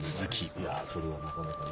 いやそれがなかなかね。